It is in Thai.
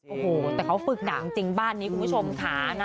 โอ้โหแต่เขาฝึกหนักจริงบ้านนี้คุณผู้ชมค่ะ